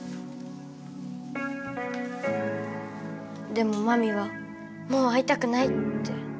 でもまみはもう会いたくないって。